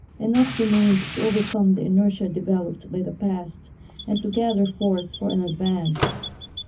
Enough remained to overcome the inertia developed by the past, and to gather force for an advance.